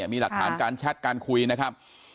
มีหลักฐานการแชทการคุยนะครับ